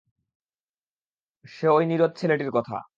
সে ঐ নীরদ ছেলেটির কথা।